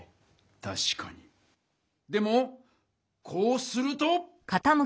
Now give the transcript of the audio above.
たしかにでもこうすると。